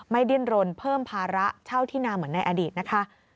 ดิ้นรนเพิ่มภาระเช่าที่นาเหมือนในอดีตนะคะ